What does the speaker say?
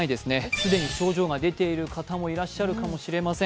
既に症状が出ている方もいらっしゃるかもしれません。